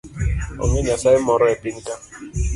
Onge nyasaye moro e pinyka